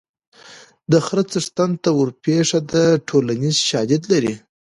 د خره څښتن ته ورپېښه ده ټولنیز شالید لري